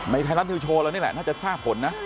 ไทยรัฐนิวโชว์เรานี่แหละน่าจะทราบผลนะ